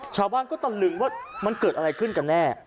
ชาวบ้านก็ตะลึงว่ามันเกิดอะไรขึ้นกันแน่